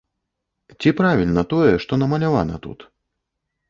Ці правільна тое, што намалявана тут?